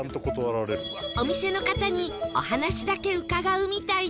お店の方にお話だけ伺うみたいです